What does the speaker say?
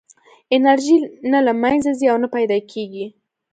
انرژي نه له منځه ځي او نه پیدا کېږي.